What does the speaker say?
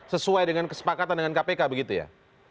sesuai dengan kesepakatan dengan kpk begitu ya